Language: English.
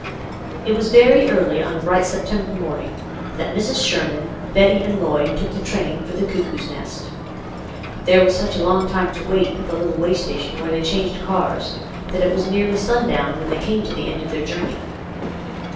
IT was very early on a bright September morning that Mrs. Sherman, Betty, and Lloyd took the train for the Cuckoo's Nest ; but there was such a long time to wait at the little way station where they changed cars, that it was nearly sundown when they came to the end of their journey.